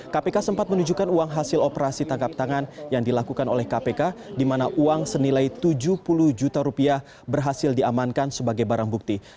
kepada kppi kppi menunjukkan uang hasil operasi tangkap tangan yang dilakukan oleh kppi di mana uang senilai rp tujuh puluh juta berhasil diamankan sebagai barang bukti